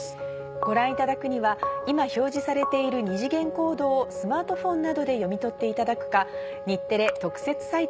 ご覧いただくには今表示されている二次元コードをスマートフォンなどで読み取っていただくか。